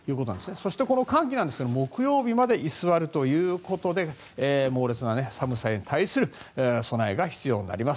そしてこの寒気、木曜日まで居座るということで猛烈な寒さに対する備えが必要になります。